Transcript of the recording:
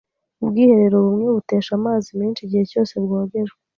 Ubwiherero bumwe butesha amazi menshi igihe cyose bwogejwe.